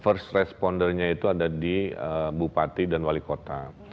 first respondernya itu ada di bupati dan wali kota